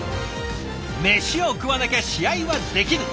メシを食わなきゃ試合はできぬ。